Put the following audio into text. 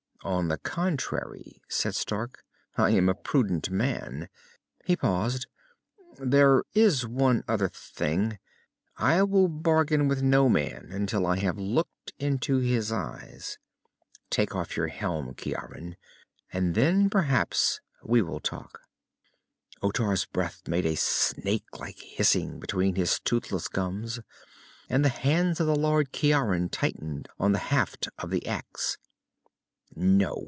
"On the contrary," said Stark, "I am a prudent man." He paused. "There is one other thing. I will bargain with no man until I have looked into his eyes. Take off your helm, Ciaran and then perhaps we will talk!" Otar's breath made a snakelike hissing between his toothless gums, and the hands of the Lord Ciaran tightened on the haft of the axe. "No!"